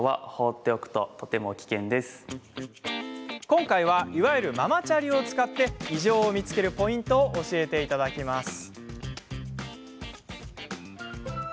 今回は、いわゆるママチャリを使って異常を見つけるポイントを教えていただきます。